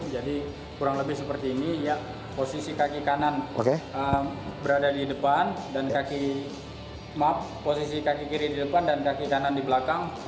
jadi kurang lebih seperti ini posisi kaki kanan berada di depan dan kaki kiri di depan dan kaki kanan di belakang